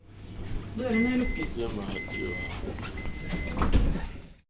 Kémà hwǎ.